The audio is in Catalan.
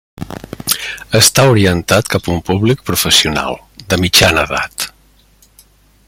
Està orientat cap a un públic professional, de mitjana edat.